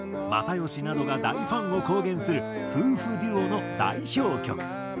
又吉などが大ファンを公言する夫婦デュオの代表曲。